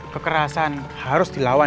kekerasan harus dilawan